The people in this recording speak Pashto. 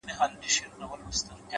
پرمختګ د جرئت او ثبات اولاد دی’